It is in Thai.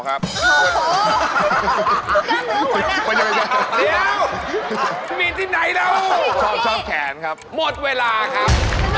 ครับไม่เคยครับ